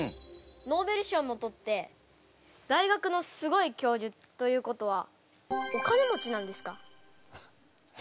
ノーベル賞もとって大学のすごい教授ということはお金持ちなんですか？